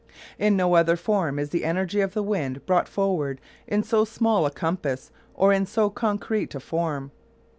In no other form is the energy of the wind brought forward in so small a compass or in so concrete a form.